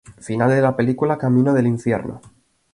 Final de la película "Camino del infierno".